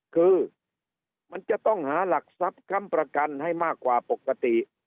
คือมันจะต้องหาหลักทรัพย์ค้ำประกันให้มากกว่าปกติ